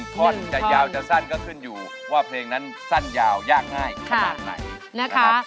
ท่อนจะยาวจะสั้นก็ขึ้นอยู่ว่าเพลงนั้นสั้นยาวยากง่ายขนาดไหนนะครับ